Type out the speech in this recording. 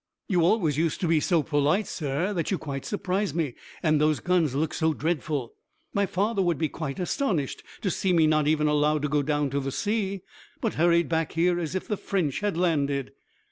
"You always used to be so polite, sir, that you quite surprise me. And those guns look so dreadful! My father would be quite astonished to see me not even allowed to go down to the sea, but hurried back here, as if the French had landed."